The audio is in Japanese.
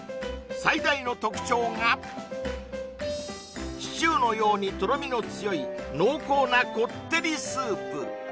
最大の特徴がシチューのようにとろみの強い濃厚なこってりスープ